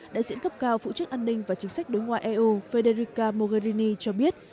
đại diện cấp cao phụ trách an ninh và chính sách đối ngoại eu federica mogherini cho biết